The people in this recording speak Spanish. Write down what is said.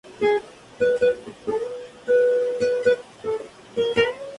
El cofundador, Pedro Urrutia, fue el primer Presidente.